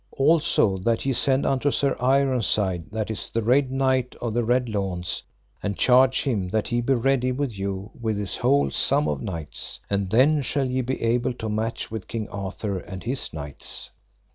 Also, that ye send unto Sir Ironside, that is the Red Knight of the Red Launds, and charge him that he be ready with you with his whole sum of knights, and then shall ye be able to match with King Arthur and his knights.